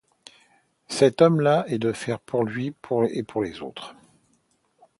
Cet homme-là est de fer pour lui et pour les autres.